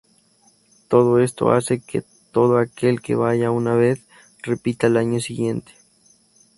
Todo esto hace que, todo aquel que vaya una vez repita al año siguiente.